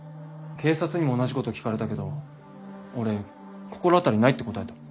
警察にも同じこと聞かれたけど俺心当たりないって答えた。